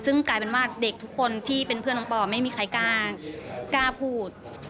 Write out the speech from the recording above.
ซึ่งกลายเป็นว่าเด็กทุกคนที่เป็นเพื่อนน้องปอไม่มีใครกล้าพูด